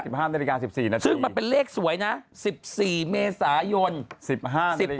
ห้านาฬิกาสิบสี่นาทีซึ่งมันเป็นเลขสวยนะสิบสี่เมษายนสิบห้าสิบ